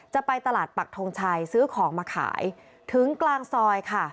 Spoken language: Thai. จะไปตลาดปักทงชัยซื้อของมาขายถึงกลางซอยค่ะ